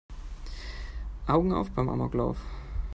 Augen auf beim Amoklauf!